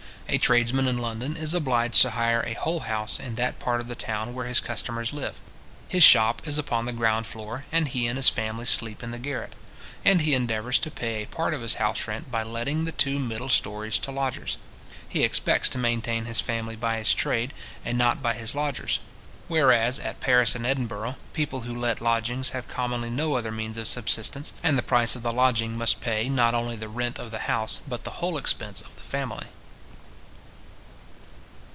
A tradesman in London is obliged to hire a whole house in that part of the town where his customers live. His shop is upon the ground floor, and he and his family sleep in the garret; and he endeavours to pay a part of his house rent by letting the two middle storeys to lodgers. He expects to maintain his family by his trade, and not by his lodgers. Whereas at Paris and Edinburgh, people who let lodgings have commonly no other means of subsistence; and the price of the lodging must pay, not only the rent of the house, but the whole expense of the family.